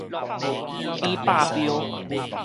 起豹飆